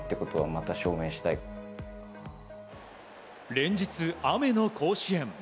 連日、雨の甲子園。